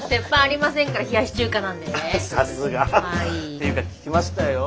ていうか聞きましたよ